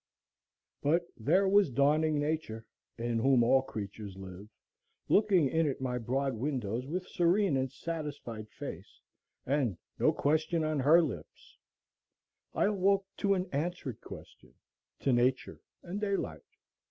But there was dawning Nature, in whom all creatures live, looking in at my broad windows with serene and satisfied face, and no question on her lips. I awoke to an answered question, to Nature and daylight.